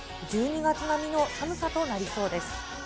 １２月並みの寒さとなりそうです。